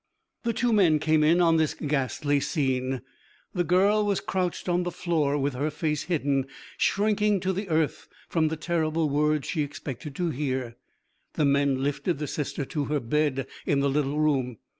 The two men came in on this ghastly scene. The girl was crouched on the floor with her face hidden, shrinking to the earth from the terrible words she expected to hear. The men lifted the sister to her bed in the little room.